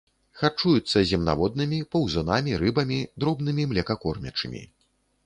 Харчуюцца земнаводнымі, паўзунамі, рыбамі, дробнымі млекакормячымі.